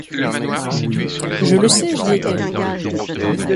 Je le sais j'y étais.